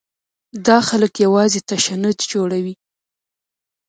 دا خلک یوازې تشنج جوړوي.